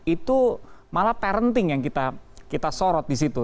itu malah parenting yang kita sorot di situ